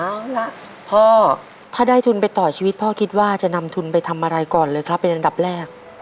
เอาล่ะพ่อถ้าได้ทุนไปต่อชีวิตพ่อคิดว่าจะนำทุนไปทำอะไรก่อนเลยครับเป็นอันดับแรก